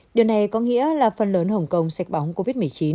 điều này có nghĩa là phần lớn hồng kông sạch bóng covid một mươi chín